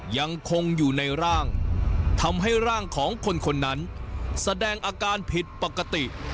ยังคงอยู่ในร่างทำให้ร่างของคนคนนั้นแสดงอาการผิดปกติ